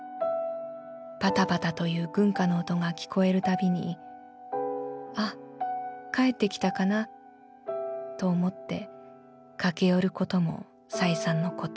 パタパタという軍靴の音がきこえるたびに『あっ帰ってきたかな』と思ってかけ寄ることも再三のこと。